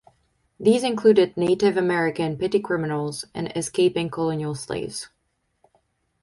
These included Native American petty criminals and escaping colonial slaves.